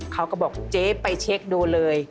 เขาก็บอกเจ๊ไปเช็คดูเลย